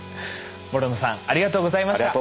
諸野さんありがとうございました。